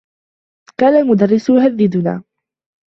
كان المدرّس يهدّدنا.